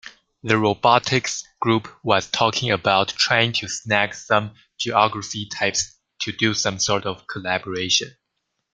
The robotics group was talking about trying to snag some geography types to do some sort of collaboration.